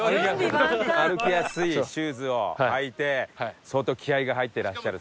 歩きやすいシューズを履いて相当気合が入っていらっしゃる。